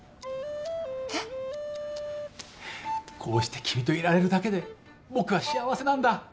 こうして君といられるだけで僕は幸せなんだ。